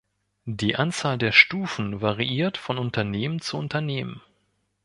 Die Anzahl der Stufen variiert von Unternehmen zu Unternehmen.